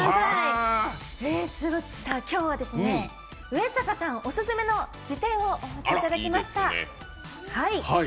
きょうは上坂さんオススメの事典をお持ちいただきました。